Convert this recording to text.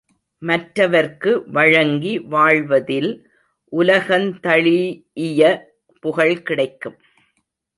மற்றவர்க்கு வழங்கி வாழ்வதில் உலகந்தழீஇய புகழ் கிடைக்கும்.